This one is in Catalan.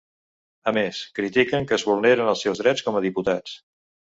A més, critiquen que es vulneren els seus drets com a diputats.